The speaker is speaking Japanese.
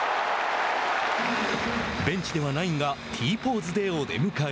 ベンチではナインがＴポーズでお出迎え。